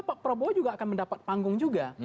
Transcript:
pak prabowo juga akan mendapat panggung juga